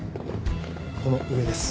この上です。